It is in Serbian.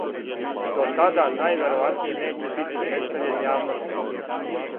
До тада највероватније неће бити представљен јавности.